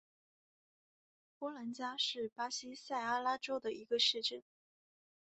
波兰加是巴西塞阿拉州的一个市镇。